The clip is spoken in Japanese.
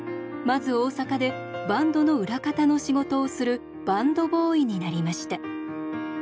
まず大阪でバンドの裏方の仕事をするバンドボーイになりました。